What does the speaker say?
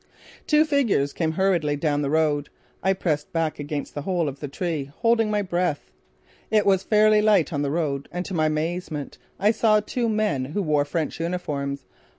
Two figures came hurriedly down the road. I pressed back against the hole of the tree, holding my breath. It was fairly light on the road and to my amazement I saw two men who wore French uniforms.